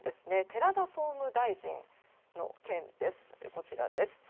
寺田総務大臣の件です。